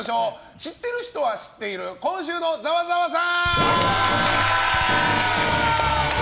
知ってる人は知っている今週のざわざわさん！